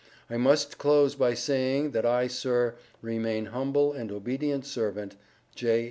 I must close by saying, that I Sir, remain humble and obedient Servant, J.